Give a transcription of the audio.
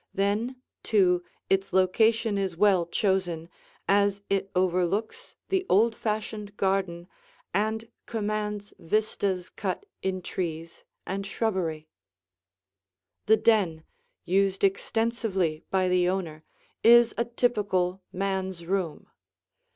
Then, too, its location is well chosen, as it overlooks the old fashioned garden and commands vistas cut in trees and shrubbery. [Illustration: The Den] The den, used extensively by the owner, is a typical man's room.